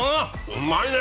うまいね。